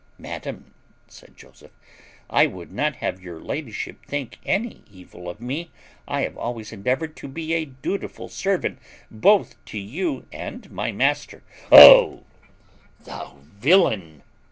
"Madam," said Joseph, "I would not have your ladyship think any evil of me. I have always endeavoured to be a dutiful servant both to you and my master." "O thou villain!"